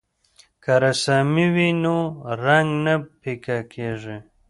که رسامي وي نو رنګ نه پیکه کیږي.